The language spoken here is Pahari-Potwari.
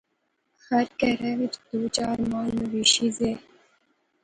ہر کہرا اچ دو چار مال مویشی زے